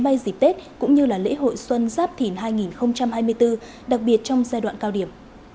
bay dịp tết cũng như lễ hội xuân giáp thìn hai nghìn hai mươi bốn đặc biệt trong giai đoạn cao điểm